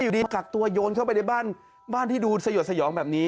มันกักตัวโยนเข้าไปบ้านที่ดูสโยชน์แบบนี้